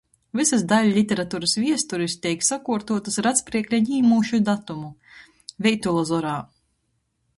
Vysys daiļliteraturys viesturis teik sakuortuotys ar atspriekleņ īmūšu datumu. Veitula zorā.